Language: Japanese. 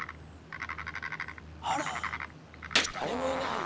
あら？だれもいない。